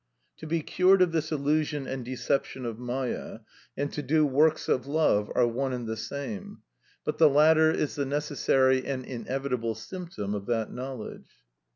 To be cured of this illusion and deception of Mâyâ, and to do works of love, are one and the same. But the latter is the necessary and inevitable symptom of that knowledge.